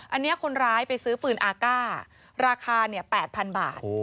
อันนี้คนร้ายไปซื้อปืนอากาศราคา๘๐๐๐บาท